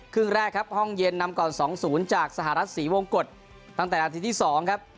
ครึ่งแรกครับห้องเย็นนำก่อน๒๐จากสหรัฐศรีวงกฎตั้งแต่นาทีที่๒ครับ